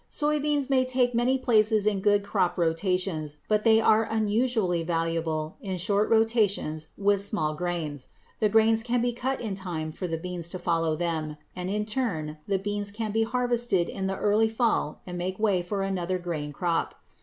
Soy beans may take many places in good crop rotations, but they are unusually valuable in short rotations with small grains. The grains can be cut in time for the beans to follow them, and in turn the beans can be harvested in the early fall and make way for another grain crop.